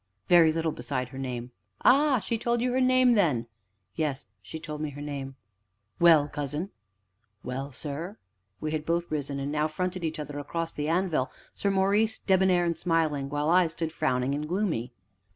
"Very little beside her name." "Ah! she told you her name, then?" "Yes, she told me her name." "Well, cousin?" "Well, sir?" We had both risen, and now fronted each other across the anvil, Sir Maurice debonair and smiling, while I stood frowning and gloomy.